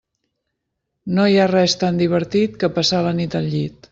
No hi ha res tan divertit que passar la nit al llit.